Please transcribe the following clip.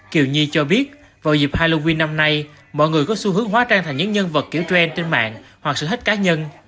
kiều nhi cho biết vào dịp halloween năm nay mọi người có xu hướng hóa trang thành những nhân vật kiểu trend trên mạng hoặc sự hết cá nhân